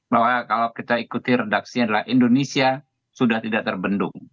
bahwa kalau kita ikuti redaksinya adalah indonesia sudah tidak terbendung